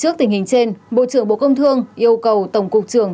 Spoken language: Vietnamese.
trước tình hình trên bộ trưởng bộ công tương yêu cầu tổng cục trường